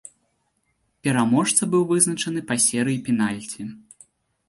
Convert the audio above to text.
Пераможца быў вызначаны па серыі пенальці.